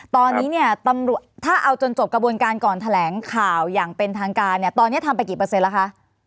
ตอนนี้เนี่ยตำรวจถ้าเอาจนจบกระบวนการก่อนแถลงข่าวอย่างเป็นทางการเนี่ยตอนนี้ทำไปกี่เปอร์เซ็นแล้วคะ